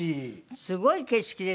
すごい景色ですよね